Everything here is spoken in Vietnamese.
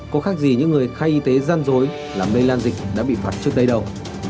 có khác gì những người khai y tế gian dối làm lây lan dịch đã bị phạt trước đây đâu